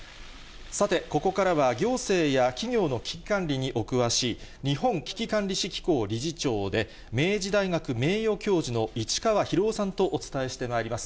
さて、ここからは行政や企業の危機管理にお詳しい、日本危機管理士機構理事長で、明治大学名誉教授の市川宏雄さんとお伝えしてまいります。